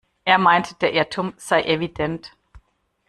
Er meint, der Irrtum sei evident.